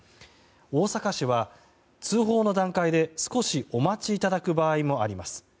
大阪市は、通報の段階で少しお待ちいただく場合もあります。